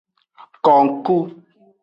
Konkpu.